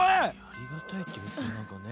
ありがたいってべつになんかね